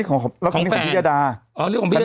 ของแฟน